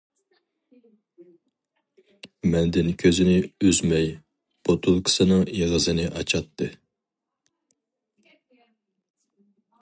مەندىن كۆزىنى ئۈزمەي بوتۇلكىسىنىڭ ئېغىزىنى ئاچاتتى.